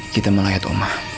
kita melayat oma